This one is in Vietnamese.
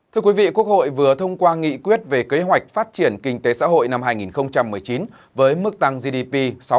thưa quý vị quốc hội vừa thông qua nghị quyết về kế hoạch phát triển kinh tế xã hội năm hai nghìn một mươi chín với mức tăng gdp sáu sáu